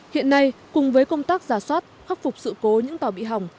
hiện nay cùng với công tác giả soát khắc phục sự cố những tàu bị hỏng